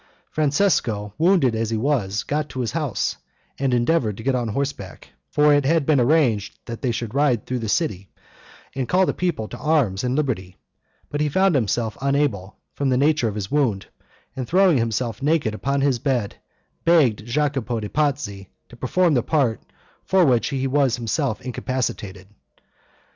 Francesco, wounded as he was, got to his house, and endeavored to get on horseback, for it had been arranged they should ride through the city and call the people to arms and liberty; but he found himself unable, from the nature of his wound, and, throwing himself naked upon his bed, begged Jacopo de' Pazzi to perform the part for which he was himself incapacitated.